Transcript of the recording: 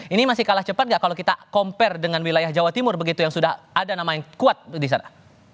ini masih kalah cepat nggak kalau kita compare dengan wilayah jawa timur begitu yang sudah ada nama yang kuat di sana